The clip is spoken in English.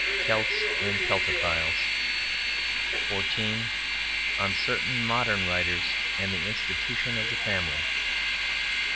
Celts and Celtophiles 14. On Certain Modern Writers and the Institution of the Family 15.